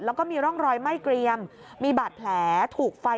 แล้วก็มีร่องรอยไหม้เกรียมมีบาดแผลถูกไฟ